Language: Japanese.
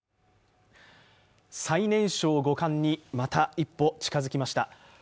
最年少五冠にまた一歩近づきました。